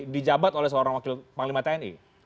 di jabat oleh seorang wakil panglima tni